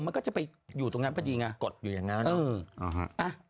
มันก็จะไปอยู่ตรงนั้นพอดีไงกดอยู่อย่างนั้นเอออ่าฮะอ่ะ